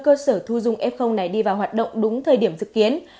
cơ sở thu dung f này đi vào hoạt động đúng thời điểm dự kiến